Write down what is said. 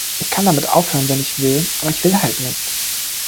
Ich kann damit aufhören, wenn ich will, aber ich will halt nicht.